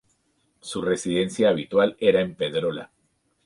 Su residencia habitual era en Pedrola.